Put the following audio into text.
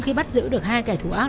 khi bắt giữ được hai kẻ thù ác